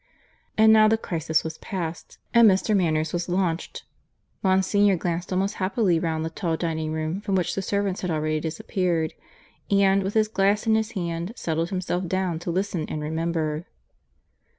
And now the crisis was past and Mr. Manners was launched. Monsignor glanced almost happily round the tall dining room, from which the servants had already disappeared, and, with his glass in his hand, settled himself down to listen and remember.